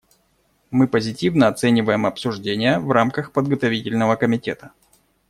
Мы позитивно оцениваем обсуждения в рамках подготовительного комитета.